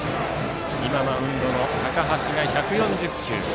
今、マウンドの高橋が１４０球。